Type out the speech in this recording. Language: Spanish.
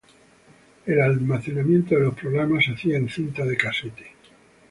El almacenamiento de los programas se hacía en cinta de casete.